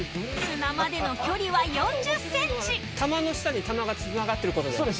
砂までの距離は４０ｃｍ玉の下に玉がつながってることだよね